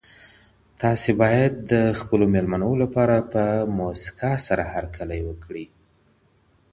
تاسي باید د خپلو مېلمنو لپاره په موسکا سره هرکلی وکړئ.